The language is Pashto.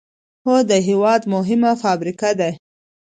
او د هېواد مهمه فابريكه ده،